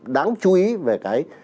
đáng chú ý về cái